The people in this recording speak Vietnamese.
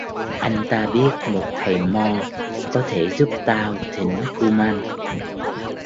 Anh ta biết một thầy mo có thể giúp tao thỉnh ku man